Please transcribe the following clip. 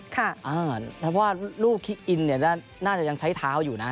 และก็ว่ารูปคลิ๊กอินน่าจะยังใช้เท้าอยู่นะ